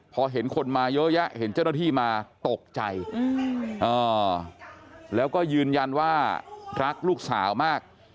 พอเห็นคนมาเยอะแยะเห็นเจ้าหน้าที่มาตกใจแล้วก็ยืนยันว่ารักลูกสาวมาก